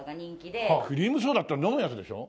クリームソーダって飲むやつでしょ？